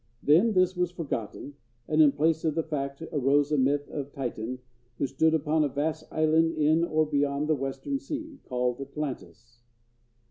Then this was forgotten, and in place of the fact arose a myth of a Titan who stood upon a vast island in or beyond the "Western Sea," called Atlantis.